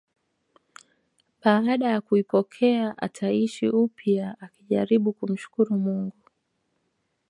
Baada ya kuipokea ataishi upya akijaribu kumshukuru Mungu